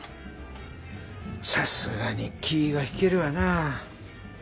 さすがに気ぃが引けるわなあ。